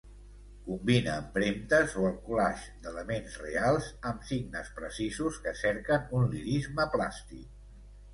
Combina empremtes o el collage d'elements reals amb signes precisos que cerquen un lirisme plàstic.